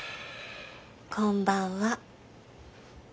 こんばんは。